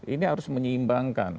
ini harus menyeimbangkan